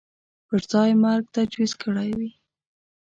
پر ځای مرګ تجویز کړی وي